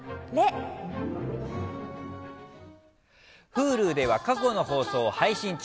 Ｈｕｌｕでは過去の放送を配信中。